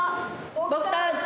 僕たち。